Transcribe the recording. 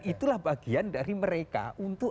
itulah bagian dari mereka untuk